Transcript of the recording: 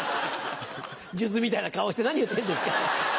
数珠みたいな顔して何言ってんですか。